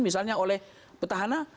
misalnya oleh petahana